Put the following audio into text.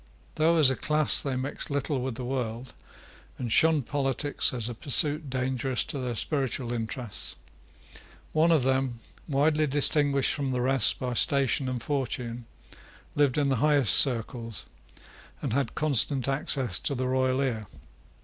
Though, as a class, they mixed little with the world, and shunned politics as a pursuit dangerous to their spiritual interests, one of them, widely distinguished from the rest by station and fortune, lived in the highest circles, and had constant access to the royal ear.